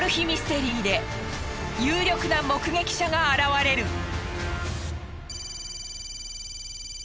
ミステリーで有力な目撃者が現れる。